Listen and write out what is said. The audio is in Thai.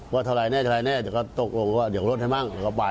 ว่าเท่าไรแน่แล้วก็ตกลงว่าเดี๋ยวรถให้บ้างเราก็ไป